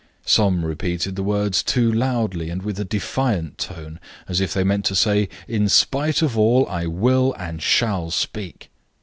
Some repeated the words too loudly, and with a defiant tone, as if they meant to say, "In spite of all, I will and shall speak."